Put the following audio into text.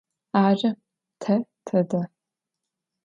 Ары, тэ тэдэ.